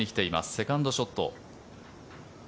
セカンドショット。